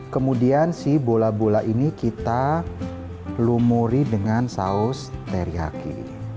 kemudian si bola bola ini kita lumuri dengan saus teriyaki